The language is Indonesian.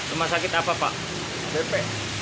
rumah sakit apa pak